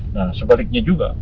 nah sebaliknya juga